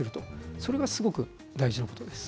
それがすごく大事なことです。